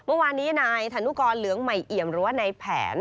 เมื่อวานนี้นายธนุกรเหลืองใหม่เอี่ยมหรือว่าในแผน